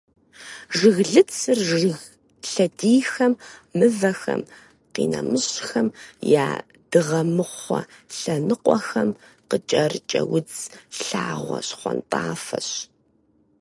Жыглыцыр жыг лъэдийхэм, мывэхэм, къинэмыщӏхэм я дыгъэмыхъуэ лъэныкъуэхэм къыкӏэрыкӏэ удз лъагъуэ щхъуантӏафэщ.